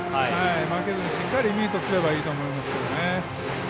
負けずにしっかりミートすればいいと思いますね。